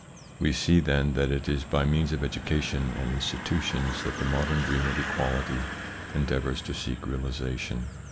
We see then that it is by means of education and institutions that the modern dream of equality en deavours to seek realisation.